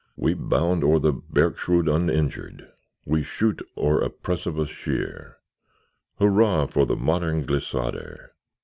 We bound o'er the bergschrund uninjured, We shoot o'er a precipice sheer; Hurrah, for the modern glissader!